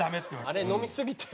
あれ飲みすぎて。